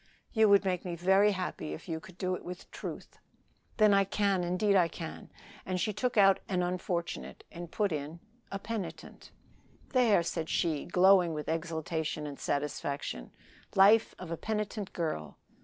"You would make me very happy if you could do it with truth." "Then I can, indeed I can." And she took out "an unfortunate," and put in "a penitent." "There," said she, glowing with exultation and satisfaction, "'Life of a Penitent Girl.'"